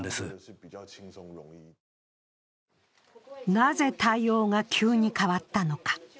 なぜ対応が急に変わったのか。